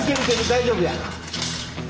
大丈夫や！